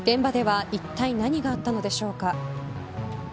現場では、いったい何があったのでしょうか。